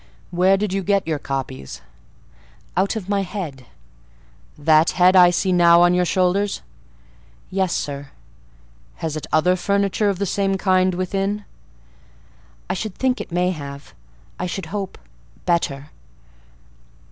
"Where did you get your copies?" "Out of my head." "That head I see now on your shoulders?" "Yes, sir." "Has it other furniture of the same kind within?" "I should think it may have: I should hope—better."